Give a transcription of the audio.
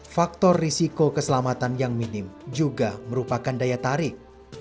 faktor risiko keselamatan yang minim juga merupakan daya tarik